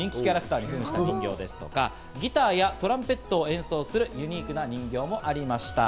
中にはゲームの人気キャラクターに扮した人形ですとか、ギターやトランペットを演奏するユニークな人形もありました。